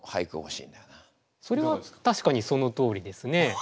それはたしかにそのとおりですね。